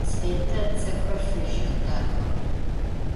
Svête ıtsexer fıjıx, daxex.